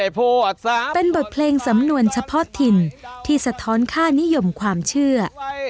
เป็นบทเพลงสำนวนเฉพาะถิ่นที่สะท้อนค่านิยมความเชื่อ